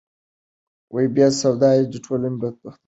بې سوادي د ټولو بدبختیو مور ده.